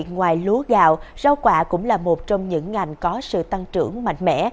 ngoài lúa gạo rau quả cũng là một trong những ngành có sự tăng trưởng mạnh mẽ